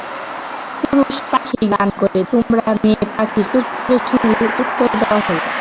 পুরুষ পাখিই গান করে, তোমরা মেয়ে পাখি চুপ করে শুনলেই উত্তর দেওয়া হল।